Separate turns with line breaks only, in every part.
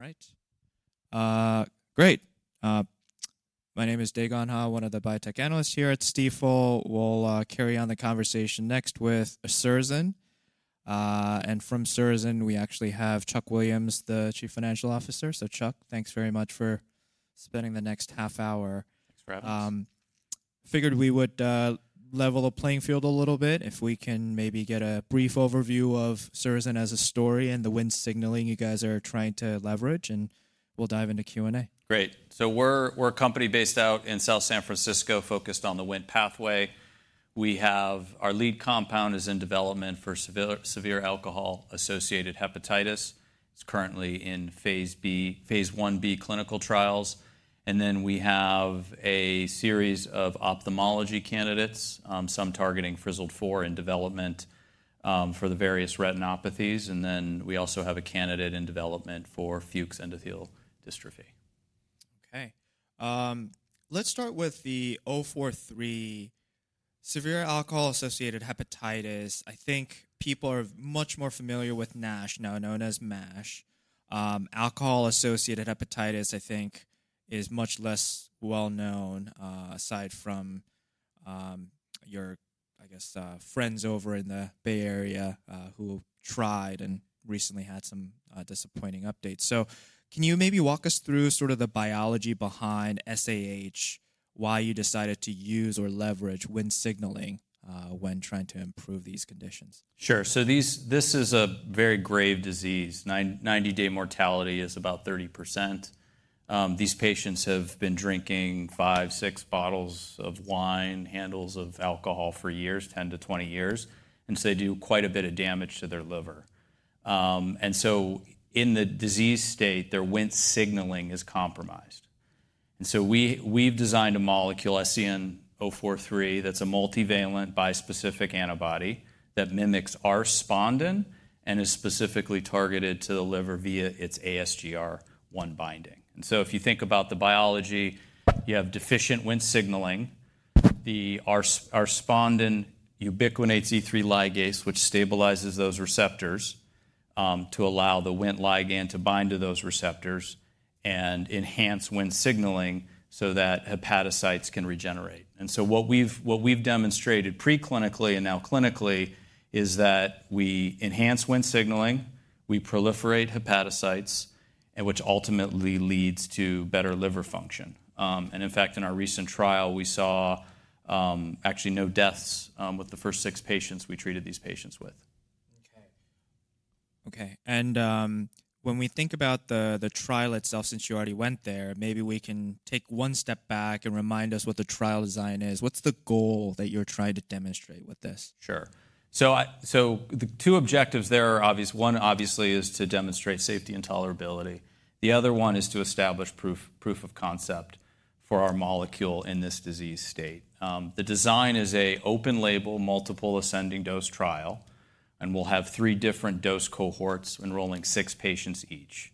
Right. Great. My name is Dae Gon Ha, one of the Biotech Analysts here at Stifel. We'll carry on the conversation next with Surrozen, and from Surrozen, we actually have Chuck Williams, the Chief Financial Officer. So Chuck, thanks very much for spending the next half hour.
Thanks.
Figured we would level the playing field a little bit if we can maybe get a brief overview of Surrozen as a story and the Wnt signaling you guys are trying to leverage, and we'll dive into Q&A.
Great. So we're a company based out in South San Francisco, focused on the Wnt pathway. We have our lead compound is in development for severe alcohol-associated hepatitis. It's currently in phase I-B clinical trials. And then we have a series of ophthalmology candidates, some targeting Frizzled-4 in development, for the various retinopathies. And then we also have a candidate in development for Fuchs endothelial dystrophy.
Okay. Let's start with the 043, severe alcohol-associated hepatitis. I think people are much more familiar with NASH, now known as MASH. Alcohol-associated hepatitis, I think, is much less well-known, aside from, your, I guess, friends over in the Bay Area, who tried and recently had some disappointing updates. So can you maybe walk us through sort of the biology behind SAH, why you decided to use or leverage Wnt signaling, when trying to improve these conditions?
Sure. This is a very grave disease. 90-day mortality is about 30%. These patients have been drinking five, six bottles of wine, handles of alcohol for years, 10 to 20 years, and so they do quite a bit of damage to their liver. In the disease state, their Wnt signaling is compromised. We have designed a molecule, SZN-043, that's a multivalent bispecific antibody that mimics R-spondin and is specifically targeted to the liver via its ASGR1 binding. If you think about the biology, you have deficient Wnt signaling. The R-spondin ubiquitinates E3 ligase, which stabilizes those receptors, to allow the Wnt ligand to bind to those receptors and enhance Wnt signaling so that hepatocytes can regenerate. What we've demonstrated preclinically and now clinically is that we enhance Wnt signaling, we proliferate hepatocytes, and which ultimately leads to better liver function. In fact, in our recent trial, we saw actually no deaths with the first six patients we treated these patients with.
Okay. Okay, and when we think about the trial itself, since you already went there, maybe we can take one step back and remind us what the trial design is. What's the goal that you're trying to demonstrate with this?
Sure. So, so the two objectives there are obvious. One, obviously, is to demonstrate safety and tolerability. The other one is to establish proof, proof of concept for our molecule in this disease state. The design is an open-label, multiple ascending dose trial, and we'll have three different dose cohorts enrolling six patients each.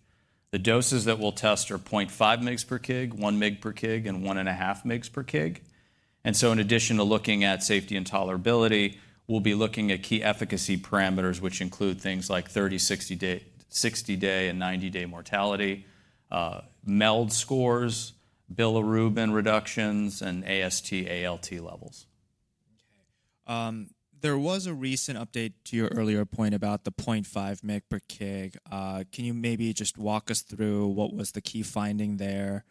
The doses that we'll test are 0.5 mg per kg, 1 mg per kg, and 1.5 mg per kg. And so in addition to looking at safety and tolerability, we'll be looking at key efficacy parameters, which include things like 30-day, 60-day, and 90-day mortality, MELD scores, bilirubin reductions, and AST/ALT levels.
Okay. There was a recent update to your earlier point about the 0.5 mg per kg. Can you maybe just walk us through what was the key finding there?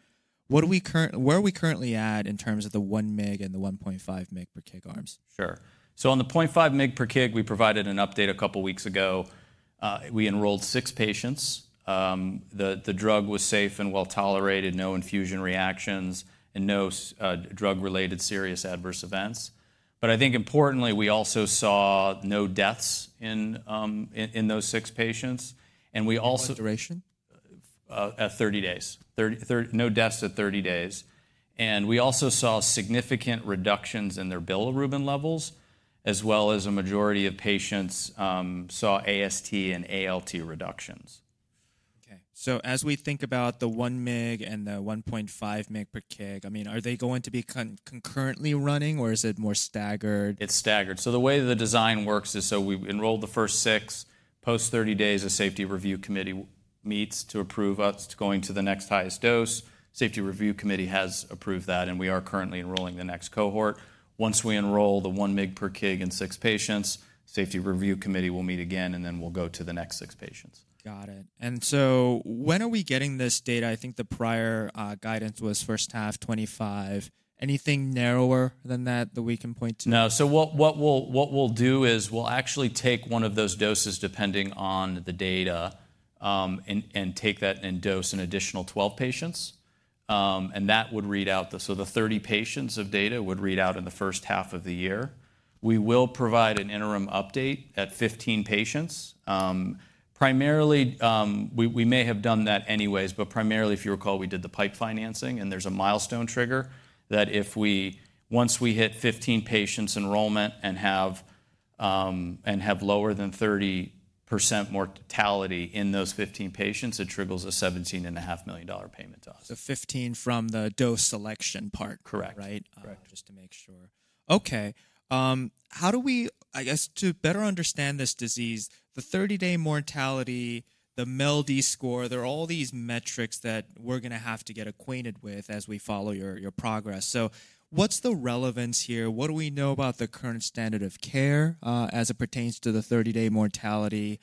Where are we currently at in terms of the 1 mg and the 1.5 mg per kg arms?
Sure. So on the 0.5 mg per kg, we provided an update a couple weeks ago. We enrolled six patients. The drug was safe and well tolerated, no infusion reactions, and no drug-related serious adverse events. But I think importantly, we also saw no deaths in those six patients. And we also.
Duration?
30 days. 30, 30, no deaths at 30 days. And we also saw significant reductions in their bilirubin levels, as well as a majority of patients saw AST and ALT reductions.
Okay, so as we think about the 1 mg and the 1.5 mg per kg, I mean, are they going to be concurrently running, or is it more staggered?
It's staggered. So the way the design works is so we enroll the first six. Post 30 days, a safety review committee meets to approve us to going to the next highest dose. Safety review committee has approved that, and we are currently enrolling the next cohort. Once we enroll the 1 mg per kg in six patients, safety review committee will meet again, and then we'll go to the next six patients.
Got it. And so when are we getting this data? I think the prior guidance was first half, 2025. Anything narrower than that that we can point to?
No. So what we'll do is we'll actually take one of those doses, depending on the data, and take that and dose an additional 12 patients. That would read out, so the 30 patients' data would read out in the first half of the year. We will provide an interim update at 15 patients. Primarily, we may have done that anyway, but primarily, if you recall, we did the PIPE financing, and there's a milestone trigger that, once we hit 15 patients enrollment and have lower than 30% mortality in those 15 patients, it triggers a $17.5 million payment to us.
So 15 from the dose selection part.
Correct.
Right?
Correct.
Just to make sure. Okay, how do we, I guess, to better understand this disease, the 30-day mortality, the MELD score? There are all these metrics that we're gonna have to get acquainted with as we follow your progress. So what's the relevance here? What do we know about the current standard of care, as it pertains to the 30-day mortality,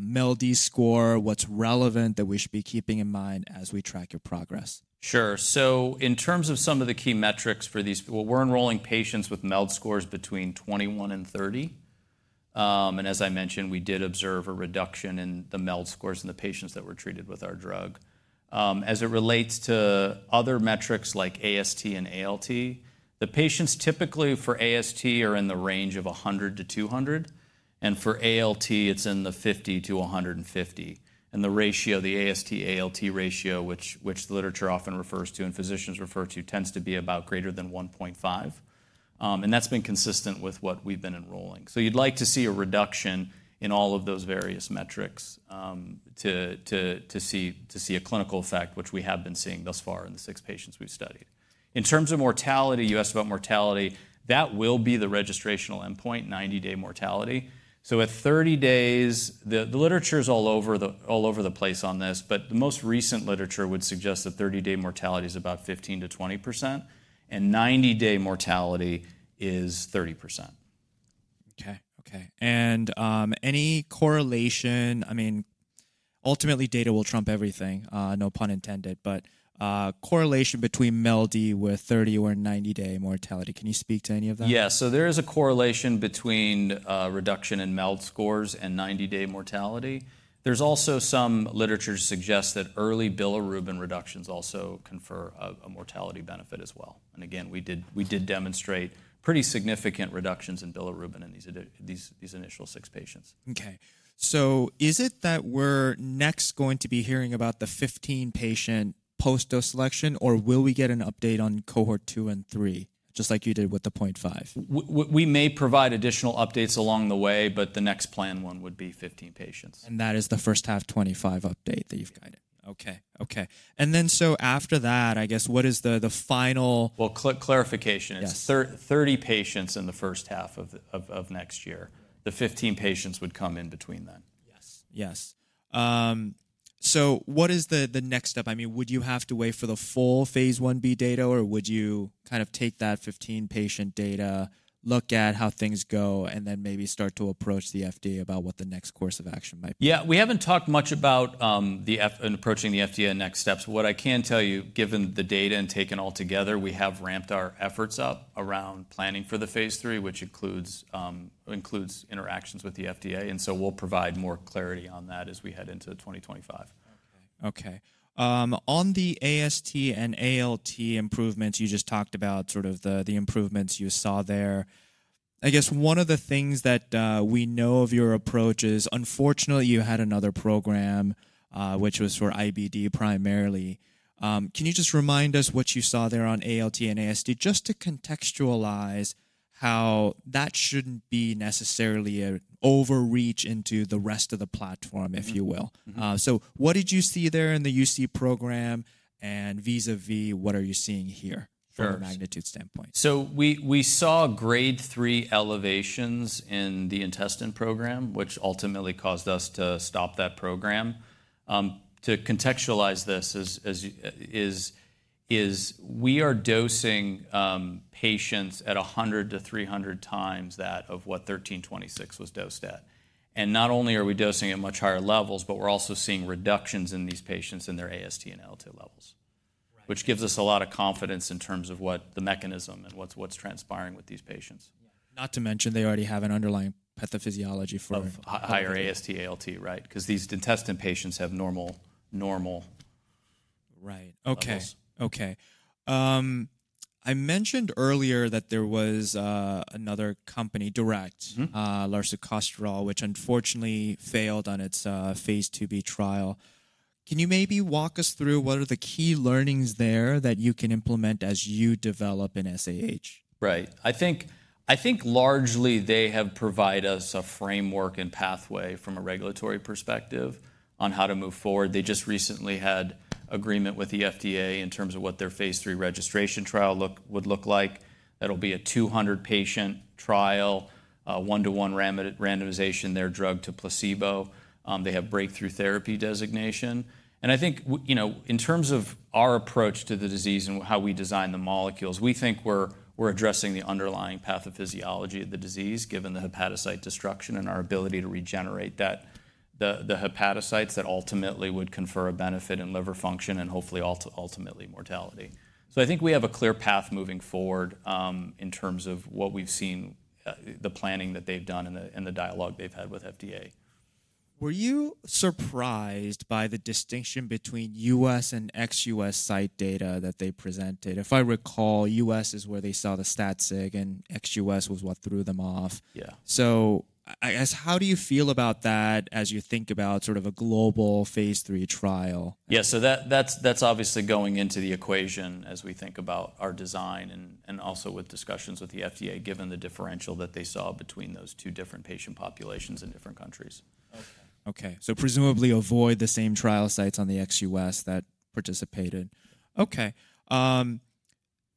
MELD score? What's relevant that we should be keeping in mind as we track your progress?
Sure. So in terms of some of the key metrics for these, well, we're enrolling patients with MELD scores between 21 and 30. And as I mentioned, we did observe a reduction in the MELD scores in the patients that were treated with our drug. As it relates to other metrics like AST and ALT, the patients typically for AST are in the range of 100-200, and for ALT, it's in the 50-150. And the ratio, the AST/ALT ratio, which the literature often refers to and physicians refer to, tends to be about greater than 1.5. And that's been consistent with what we've been enrolling. So you'd like to see a reduction in all of those various metrics, to see a clinical effect, which we have been seeing thus far in the six patients we've studied. In terms of mortality, you asked about mortality. That will be the registrational endpoint, 90-day mortality, so at 30 days, the literature's all over the place on this, but the most recent literature would suggest that 30-day mortality is about 15%-20%, and 90-day mortality is 30%.
Any correlation, I mean, ultimately data will trump everything, no pun intended, but correlation between MELD with 30 or 90-day mortality. Can you speak to any of that?
Yeah. So there is a correlation between reduction in MELD scores and 90-day mortality. There's also some literature to suggest that early bilirubin reductions also confer a mortality benefit as well. And again, we did demonstrate pretty significant reductions in bilirubin in these initial six patients.
Okay. Is it that we're next going to be hearing about the 15-patient post-dose selection, or will we get an update on cohort two and three, just like you did with the 0.5?
We may provide additional updates along the way, but the next planned one would be 15 patients.
That is the first half 2025 update that you've guided. Okay. Okay, then so after that, I guess, what is the final?
Well, clarification.
Yes.
It's 30 patients in the first half of next year. The 15 patients would come in between then.
Yes. Yes, so what is the, the next step? I mean, would you have to wait for the full phase I-B data, or would you kind of take that 15-patient data, look at how things go, and then maybe start to approach the FDA about what the next course of action might be?
Yeah. We haven't talked much about the F and approaching the FDA next steps. What I can tell you, given the data and taken all together, we have ramped our efforts up around planning for the phase III, which includes interactions with the FDA, and so we'll provide more clarity on that as we head into 2025.
Okay. Okay, on the AST and ALT improvements, you just talked about sort of the improvements you saw there. I guess one of the things that we know of your approach is, unfortunately, you had another program, which was for IBD primarily. Can you just remind us what you saw there on ALT and AST just to contextualize how that shouldn't be necessarily an overreach into the rest of the platform, if you will? So what did you see there in the UC program and vis-à-vis what are you seeing here from a magnitude standpoint?
Sure. So we saw grade three elevations in the intestine program, which ultimately caused us to stop that program. To contextualize this is we are dosing patients at 100x-300x that of what 1326 was dosed at. And not only are we dosing at much higher levels, but we're also seeing reductions in these patients in their AST and ALT levels, which gives us a lot of confidence in terms of what the mechanism and what's transpiring with these patients.
Not to mention they already have an underlying pathophysiology for.
Have higher AST/ALT, right? 'Cause these intestinal patients have normal, normal.
Right. Okay. I mentioned earlier that there was another company, DURECT, larsucosterol, which unfortunately failed on its phase II-B trial. Can you maybe walk us through what are the key learnings there that you can implement as you develop an SAH?
Right. I think, I think largely they have provided us a framework and pathway from a regulatory perspective on how to move forward. They just recently had agreement with the FDA in terms of what their phase III registration trial would look like. That'll be a 200-patient trial, one-to-one randomization their drug to placebo. They have breakthrough therapy designation. I think, you know, in terms of our approach to the disease and how we design the molecules, we think we're, we're addressing the underlying pathophysiology of the disease given the hepatocyte destruction and our ability to regenerate that, the hepatocytes that ultimately would confer a benefit in liver function and hopefully ultimately mortality. So I think we have a clear path moving forward, in terms of what we've seen, the planning that they've done and the dialogue they've had with FDA.
Were you surprised by the distinction between U.S. and XU.S. site data that they presented? If I recall, U.S. is where they saw the stat sig and XU.S. was what threw them off.
Yeah.
So I guess, how do you feel about that as you think about sort of a global phase III trial?
Yeah. So that, that's obviously going into the equation as we think about our design and also with discussions with the FDA given the differential that they saw between those two different patient populations in different countries.
Okay. Okay. So presumably avoid the same trial sites ex-U.S. that participated. Okay.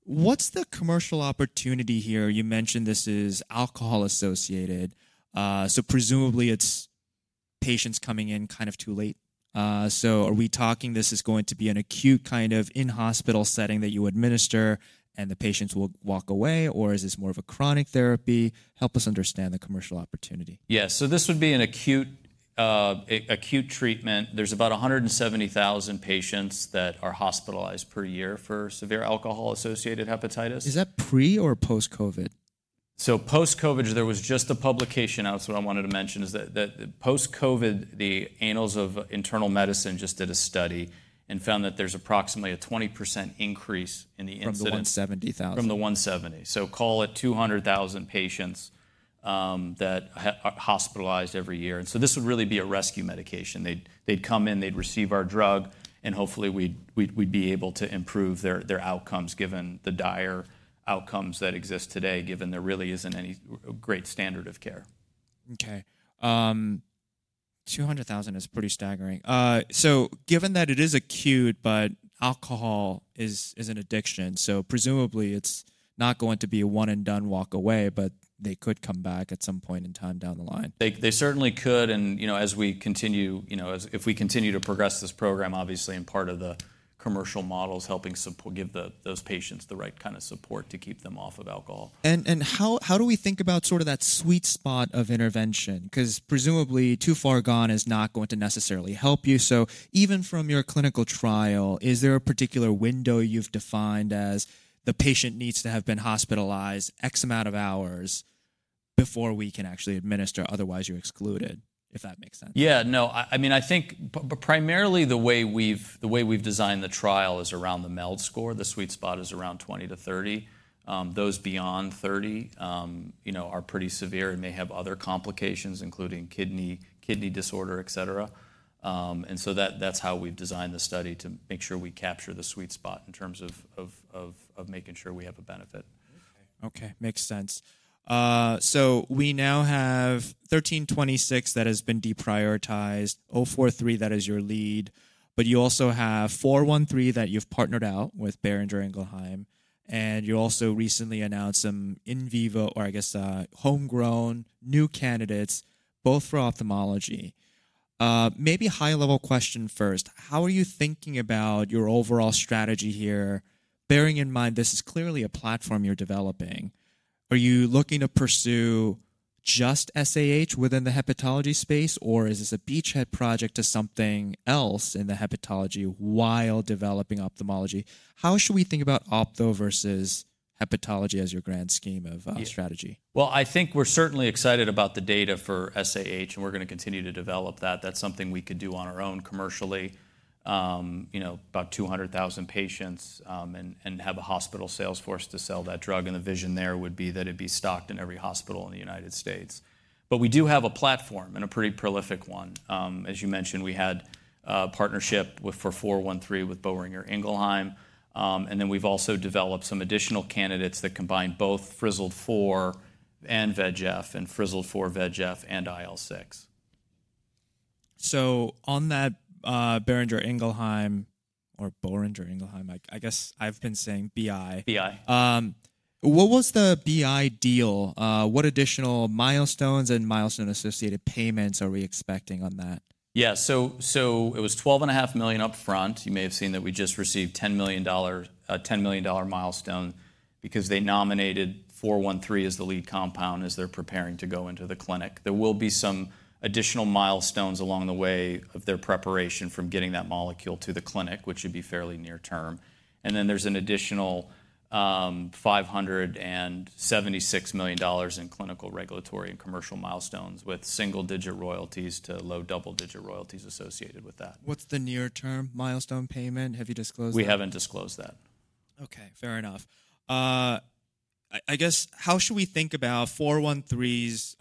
What's the commercial opportunity here? You mentioned this is alcohol-associated. So presumably it's patients coming in kind of too late. So are we talking this is going to be an acute kind of in-hospital setting that you administer and the patients will walk away, or is this more of a chronic therapy? Help us understand the commercial opportunity.
Yeah. So this would be an acute, acute treatment. There's about 170,000 patients that are hospitalized per year for severe alcohol-associated hepatitis.
Is that pre or post-COVID?
Post-COVID, there was just a publication out. What I wanted to mention is that post-COVID, the Annals of Internal Medicine just did a study and found that there's approximately a 20% increase in the incidence.
From the 170,000.
From the 170,000. So call it 200,000 patients that are hospitalized every year. And so this would really be a rescue medication. They'd come in, they'd receive our drug, and hopefully we'd be able to improve their outcomes given the dire outcomes that exist today, given there really isn't any great standard of care.
Okay. 200,000 is pretty staggering, so given that it is acute, but alcohol is an addiction, so presumably it's not going to be a one-and-done walk away, but they could come back at some point in time down the line.
They certainly could. And, you know, as we continue, you know, as if we continue to progress this program, obviously in part of the commercial model is helping support those patients the right kind of support to keep them off of alcohol.
How do we think about sort of that sweet spot of intervention? 'Cause presumably too far gone is not going to necessarily help you. So even from your clinical trial, is there a particular window you've defined as the patient needs to have been hospitalized X amount of hours before we can actually administer? Otherwise you're excluded, if that makes sense.
Yeah. No, I mean, I think primarily the way we've designed the trial is around the MELD score. The sweet spot is around 20-30. Those beyond 30, you know, are pretty severe and may have other complications, including kidney disorder, et cetera. So that's how we've designed the study to make sure we capture the sweet spot in terms of making sure we have a benefit.
Okay. Okay. Makes sense. So we now have 1326 that has been deprioritized, 043 that is your lead, but you also have 413 that you've partnered out with Boehringer Ingelheim, and you also recently announced some in vivo or I guess, homegrown new candidates both for ophthalmology. Maybe high-level question first. How are you thinking about your overall strategy here, bearing in mind this is clearly a platform you're developing? Are you looking to pursue just SAH within the hepatology space, or is this a beachhead project to something else in the hepatology while developing ophthalmology? How should we think about opto versus hepatology as your grand scheme of strategy?
I think we're certainly excited about the data for SAH, and we're gonna continue to develop that. That's something we could do on our own commercially. You know, about 200,000 patients, and have a hospital salesforce to sell that drug. The vision there would be that it'd be stocked in every hospital in the United States. We do have a platform and a pretty prolific one. As you mentioned, we had a partnership with for 413 with Boehringer Ingelheim. Then we've also developed some additional candidates that combine both Frizzled-4 and VEGF and Frizzled-4, VEGF and IL-6.
On that, Boehringer Ingelheim. I guess I've been saying BI.
BI.
What was the BI deal? What additional milestones and milestone-associated payments are we expecting on that?
Yeah. So, so it was $12.5 million upfront. You may have seen that we just received $10 million, $10 million milestone because they nominated 413 as the lead compound as they're preparing to go into the clinic. There will be some additional milestones along the way of their preparation from getting that molecule to the clinic, which would be fairly near-term. And then there's an additional $576 million in clinical regulatory and commercial milestones with single-digit royalties to low double-digit royalties associated with that.
What's the near-term milestone payment? Have you disclosed that?
We haven't disclosed that.
Okay. Fair enough. I guess how should we think about 413's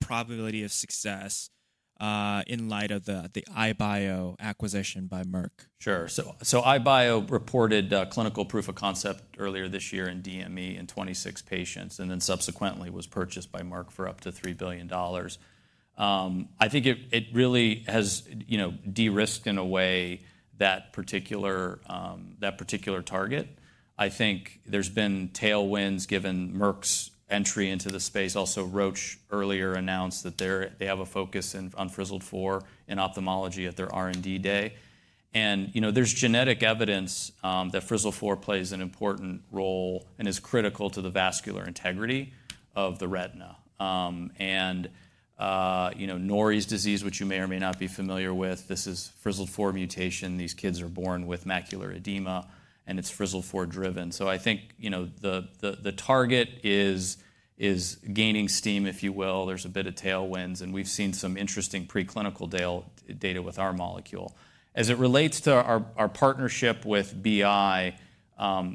probability of success, in light of the EyeBio acquisition by Merck?
Sure. So EyeBio reported clinical proof of concept earlier this year in DME in 26 patients and then subsequently was purchased by Merck for up to $3 billion. I think it really has, you know, de-risked in a way that particular target. I think there's been tailwinds given Merck's entry into the space. Also, Roche earlier announced that they're. They have a focus on Frizzled-4 in ophthalmology at their R&D day. You know, there's genetic evidence that Frizzled-4 plays an important role and is critical to the vascular integrity of the retina. You know, Norrie disease, which you may or may not be familiar with, this is Frizzled-4 mutation. These kids are born with macular edema, and it's Frizzled-4 driven. So I think, you know, the target is gaining steam, if you will. There's a bit of tailwinds, and we've seen some interesting preclinical data with our molecule. As it relates to our partnership with BI,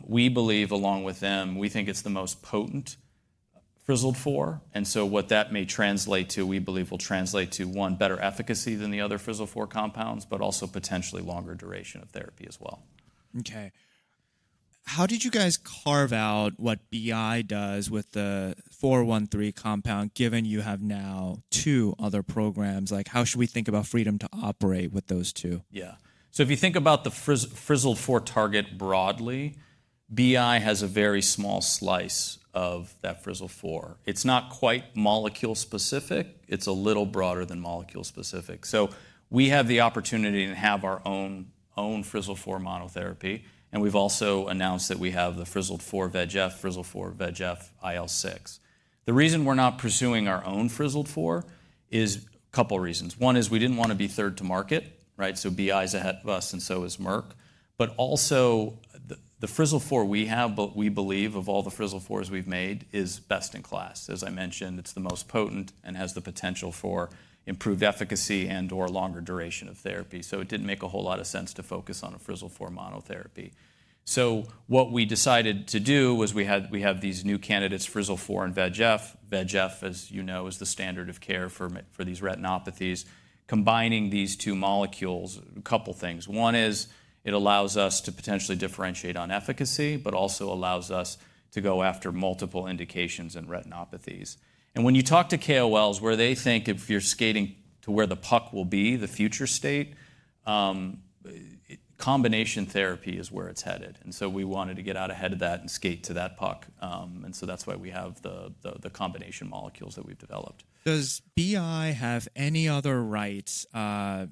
we believe along with them, we think it's the most potent Frizzled-4. And so what that may translate to, we believe will translate to one, better efficacy than the other Frizzled-4 compounds, but also potentially longer duration of therapy as well.
Okay. How did you guys carve out what BI does with the 413 compound given you have now two other programs? Like, how should we think about freedom to operate with those two?
Yeah. So if you think about the Frizzled-4 target broadly, BI has a very small slice of that Frizzled-4. It's not quite molecule specific. It's a little broader than molecule specific. So we have the opportunity and have our own Frizzled-4 monotherapy. And we've also announced that we have the Frizzled-4 VEGF, Frizzled-4 VEGF IL-6. The reason we're not pursuing our own Frizzled-4 is a couple reasons. One is we didn't wanna be third to market, right? So BI's ahead of us and so is Merck. But also the Frizzled-4 we have, but we believe of all the Frizzled-4s we've made is best in class. As I mentioned, it's the most potent and has the potential for improved efficacy and/or longer duration of therapy. So it didn't make a whole lot of sense to focus on a Frizzled-4 monotherapy. So what we decided to do was we had, we have these new candidates, Frizzled-4 and VEGF. VEGF, as you know, is the standard of care for these retinopathies. Combining these two molecules, a couple things. One is it allows us to potentially differentiate on efficacy, but also allows us to go after multiple indications in retinopathies. And when you talk to KOLs where they think if you're skating to where the puck will be, the future state, combination therapy is where it's headed. And so we wanted to get out ahead of that and skate to that puck. And so that's why we have the combination molecules that we've developed.
Does BI have any other rights, or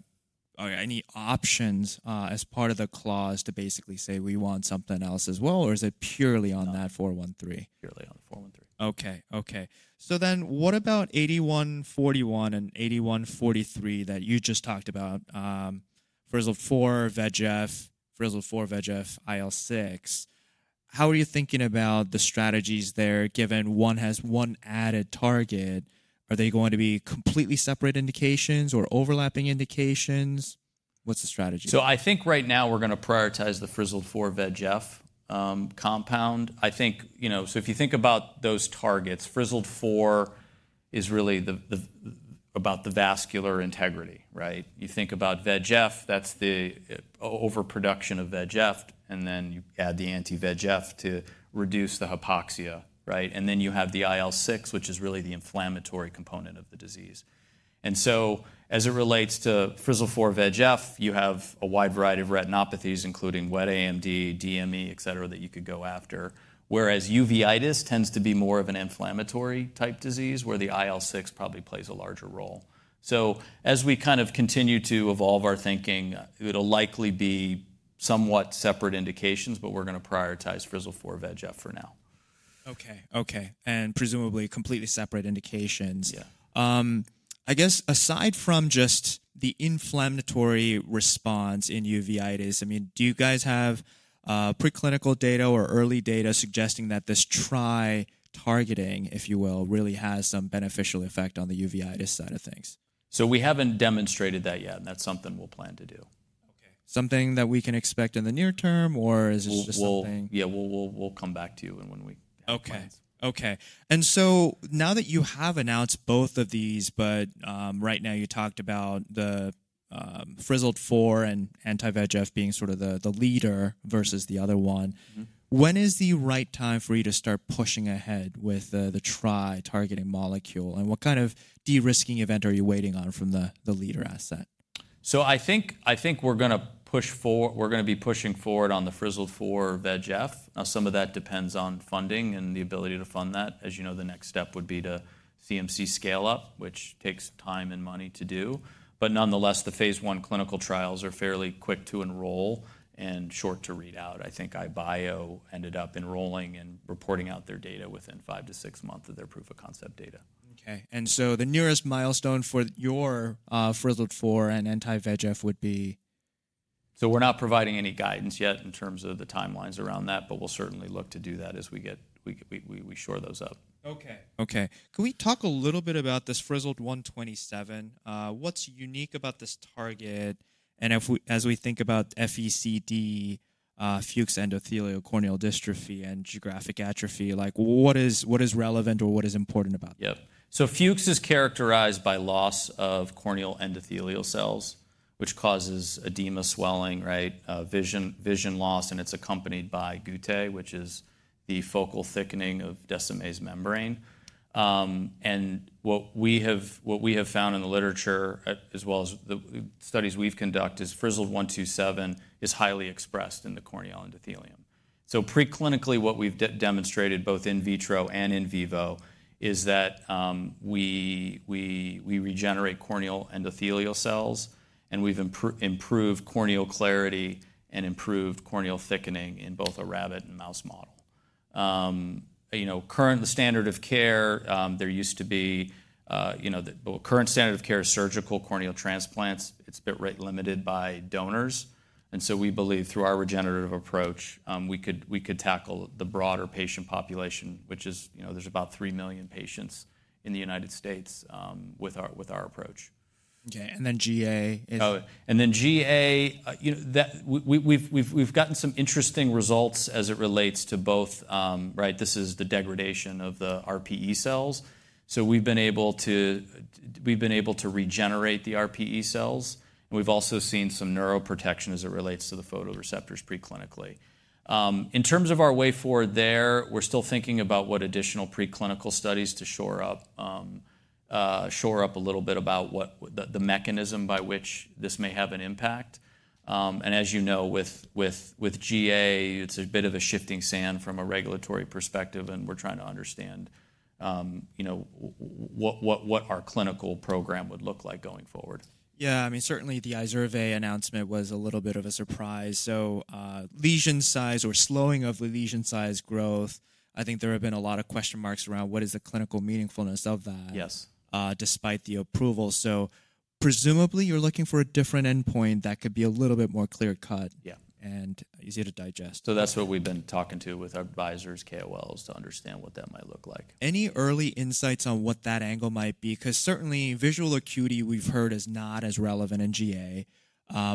any options, as part of the clause to basically say we want something else as well, or is it purely on that 413?
Purely on the 413.
Okay. So then what about 8141 and 8143 that you just talked about, Frizzled-4 VEGF, Frizzled-4 VEGF, IL-6? How are you thinking about the strategies there given one has one added target? Are they going to be completely separate indications or overlapping indications? What's the strategy?
So I think right now we're gonna prioritize the Frizzled-4 VEGF compound. I think, you know, so if you think about those targets, Frizzled-4 is really about the vascular integrity, right? You think about VEGF, that's the overproduction of VEGF, and then you add the anti-VEGF to reduce the hypoxia, right? And then you have the IL-6, which is really the inflammatory component of the disease. And so as it relates to Frizzled-4 VEGF, you have a wide variety of retinopathies, including wet AMD, DME, et cetera, that you could go after. Whereas uveitis tends to be more of an inflammatory type disease where the IL-6 probably plays a larger role. So as we kind of continue to evolve our thinking, it'll likely be somewhat separate indications, but we're gonna prioritize Frizzled-4 VEGF for now.
Okay. And presumably completely separate indications.
Yeah.
I guess aside from just the inflammatory response in uveitis, I mean, do you guys have preclinical data or early data suggesting that this tri-targeting, if you will, really has some beneficial effect on the uveitis side of things?
So we haven't demonstrated that yet, and that's something we'll plan to do.
Okay. Something that we can expect in the near term, or is this just a thing?
Yeah, we'll come back to you and when we.
Okay. Okay. Now that you have announced both of these, but right now you talked about the Frizzled-4 and anti-VEGF being sort of the leader versus the other one. When is the right time for you to start pushing ahead with the tri targeting molecule? And what kind of de-risking event are you waiting on from the leader asset?
So I think, I think we're gonna push for, we're gonna be pushing forward on the Frizzled-4 VEGF. Now, some of that depends on funding and the ability to fund that. As you know, the next step would be to CMC scale up, which takes time and money to do. But nonetheless, the phase I clinical trials are fairly quick to enroll and short to read out. I think EyeBio ended up enrolling and reporting out their data within five to six months of their proof of concept data.
Okay. And so the nearest milestone for your, Frizzled-4 and anti-VEGF would be?
So we're not providing any guidance yet in terms of the timelines around that, but we'll certainly look to do that as we get, we shore those up.
Okay. Okay. Can we talk a little bit about this Frizzled 1/2/7? What's unique about this target? And if we, as we think about FECD, Fuchs endothelial corneal dystrophy and geographic atrophy, like what is, what is relevant or what is important about that?
Yep. So Fuchs is characterized by loss of corneal endothelial cells, which causes edema, swelling, right? Vision loss. And it's accompanied by guttae, which is the focal thickening of Descemet's membrane. What we have found in the literature, as well as the studies we've conducted, is Frizzled 1/2/7 is highly expressed in the corneal endothelium. So preclinically, what we've demonstrated both in vitro and in vivo is that we regenerate corneal endothelial cells and we've improved corneal clarity and improved corneal thickening in both a rabbit and mouse model. You know, the current standard of care is surgical corneal transplants. It's been rate limited by donors. And so we believe through our regenerative approach, we could tackle the broader patient population, which is, you know, there's about three million patients in the United States with our approach.
Okay. And then GA is?
Oh, and then GA, you know, that we've gotten some interesting results as it relates to both, right? This is the degradation of the RPE cells, so we've been able to regenerate the RPE cells, and we've also seen some neuroprotection as it relates to the photoreceptors preclinically. In terms of our way forward there, we're still thinking about what additional preclinical studies to shore up a little bit about what the mechanism by which this may have an impact, and as you know, with GA, it's a bit of a shifting sand from a regulatory perspective, and we're trying to understand, you know, what our clinical program would look like going forward.
Yeah. I mean, certainly the Izervay announcement was a little bit of a surprise. So, lesion size or slowing of the lesion size growth, I think there have been a lot of question marks around what is the clinical meaningfulness of that.
Yes.
despite the approval, so presumably you're looking for a different endpoint that could be a little bit more clear cut.
Yeah.
Easier to digest.
That's what we've been talking with our advisors, KOLs, to understand what that might look like.
Any early insights on what that angle might be? 'Cause certainly visual acuity we've heard is not as relevant in GA,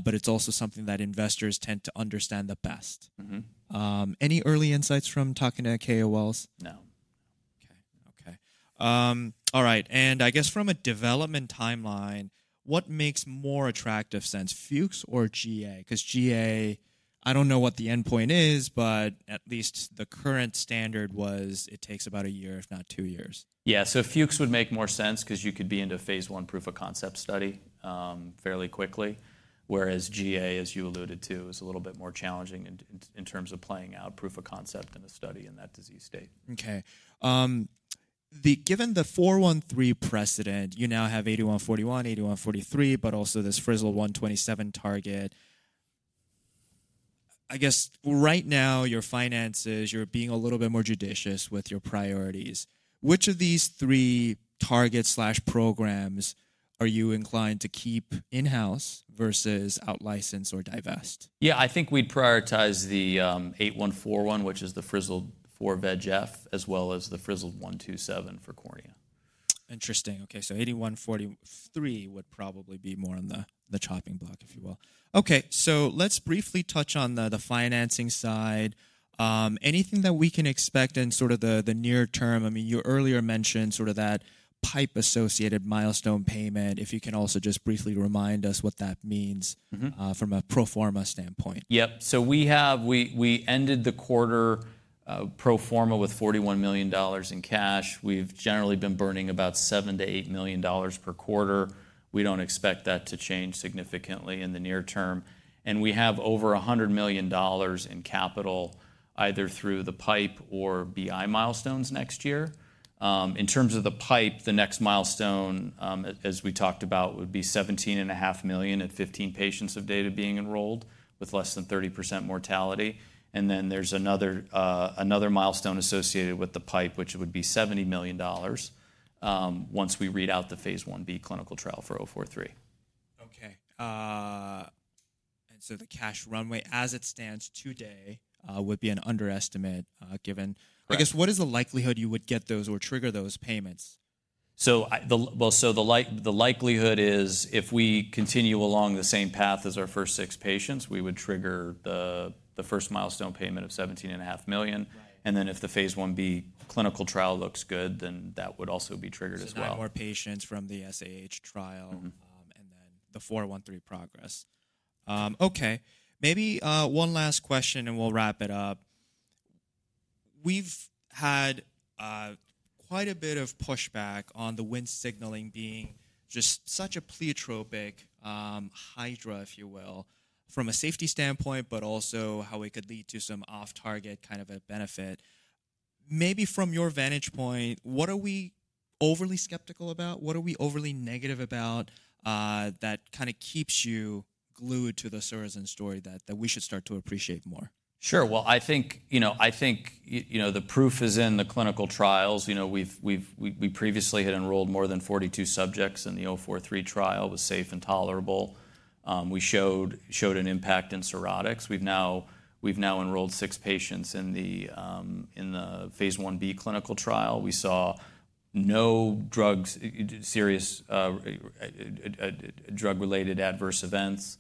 but it's also something that investors tend to understand the best.
Mm-hmm.
Any early insights from talking to KOLs?
No.
Okay. Okay. All right, and I guess from a development timeline, what makes more attractive sense, Fuchs or GA? 'Cause GA, I don't know what the endpoint is, but at least the current standard was it takes about a year, if not two years.
Yeah. So, Fuchs would make more sense 'cause you could be into phase I proof of concept study fairly quickly. Whereas GA, as you alluded to, is a little bit more challenging in terms of playing out proof of concept in a study in that disease state.
Okay. Given the 413 precedent, you now have 8141, 8143, but also this Frizzled 1/2/7 target. I guess right now your finances, you're being a little bit more judicious with your priorities. Which of these three targets/programs are you inclined to keep in-house versus out license or divest?
Yeah. I think we'd prioritize the 8141, which is the Frizzled-4 VEGF, as well as the Frizzled 1/2/7 for cornea.
Interesting. Okay. So 8143 would probably be more on the, the chopping block, if you will. Okay. So let's briefly touch on the, the financing side. Anything that we can expect in sort of the, the near term? I mean, you earlier mentioned sort of that PIPE associated milestone payment. If you can also just briefly remind us what that means, from a pro forma standpoint.
Yep. So we have, we ended the quarter pro forma with $41 million in cash. We've generally been burning about $7 million-$8 million per quarter. We don't expect that to change significantly in the near term. And we have over $1 million in capital, either through the PIPE or BI milestones next year. In terms of the PIPE, the next milestone, as we talked about, would be $17.5 million at 15 patients of data being enrolled with less than 30% mortality. And then there's another milestone associated with the PIPE, which would be $70 million, once we read out the phase I-B clinical trial for 043.
Okay, and so the cash runway as it stands today would be an underestimate, given, I guess, what is the likelihood you would get those or trigger those payments?
The likelihood is if we continue along the same path as our first six patients, we would trigger the first milestone payment of $17.5 million, and then if the phase I-B clinical trial looks good, then that would also be triggered as well.
So more patients from the SAH trial, and then the 413 progress. Okay. Maybe one last question and we'll wrap it up. We've had quite a bit of pushback on the Wnt signaling being just such a pleiotropic hydra, if you will, from a safety standpoint, but also how it could lead to some off-target kind of a benefit. Maybe from your vantage point, what are we overly skeptical about? What are we overly negative about, that kind of keeps you glued to the Surrozen story that we should start to appreciate more?
Sure, well, I think, you know, I think, you know, the proof is in the clinical trials. You know, we've previously had enrolled more than 42 subjects in the 043 trial. It was safe and tolerable. We showed an impact in cirrhotics. We've now enrolled six patients in the phase I-B clinical trial. We saw no serious drug-related adverse events,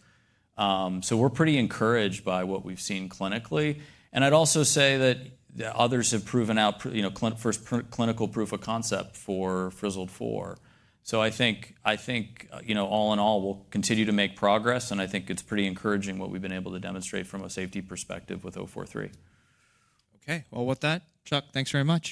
so we're pretty encouraged by what we've seen clinically. And I'd also say that others have proven out, you know, clinical proof of concept for Frizzled-4, so I think, you know, all in all, we'll continue to make progress, and I think it's pretty encouraging what we've been able to demonstrate from a safety perspective with 043.
Okay. Well, with that, Chuck, thanks very much.